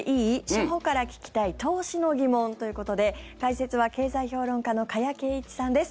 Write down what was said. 初歩から聞きたい投資の疑問ということで解説は経済評論家の加谷珪一さんです。